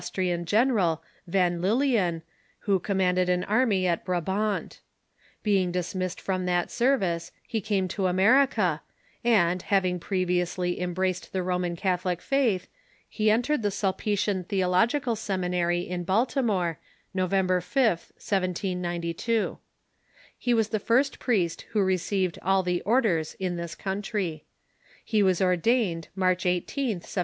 trian general, Van Lilien, who commanded an army in Brabant. Being dismissed from that service, he came to America, and, having previously embraced the Roman Catho lic faith, lie entered the Sulpitian Theological Seminary in Bal timore, November 5th, 1792, He was the first priest who re ceived all the orders in this countr3\ He was ordained March 18th, 1795.